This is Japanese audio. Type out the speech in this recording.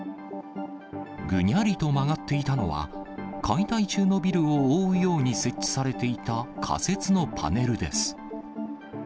ぐにゃりと曲がっていたのは、解体中のビルを覆うように設置されていた仮設のパネルです。